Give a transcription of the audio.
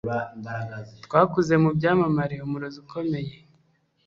twakuze mubyamamare, umurozi ukomeye